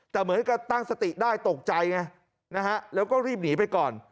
แต่เหมือนกับตั้งสติได้ตกใจไงนะฮะแล้วก็รีบหนีไปก่อน